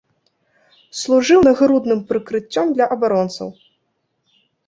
Служыў нагрудным прыкрыццём для абаронцаў.